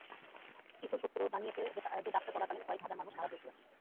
কিছু সূত্র জানিয়েছে যে যাত্রা চলাকালীন কয়েক হাজার মানুষ মারা গিয়েছিলেন।